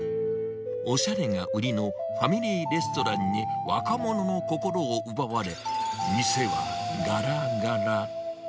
おしゃれが売りのファミリーレストランに、若者の心を奪われ、店はがらがら。